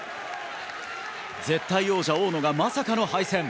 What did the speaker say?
絶対王者・大野がまさかの敗退。